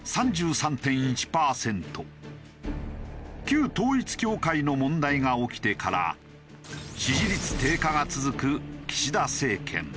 旧統一教会の問題が起きてから支持率低下が続く岸田政権。